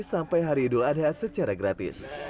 sampai hari idul adha secara gratis